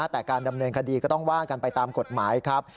แต่การดำเนินคดีก็ต้องว่ากันไปตามกฎหมายครับ